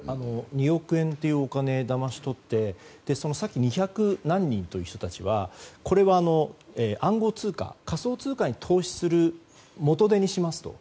２億円というお金をだまし取ってさっき２００何人という人たちは暗号資産仮想通貨に投資する元手にしますと。